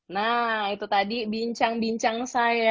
nah itu tadi bincang bincang saya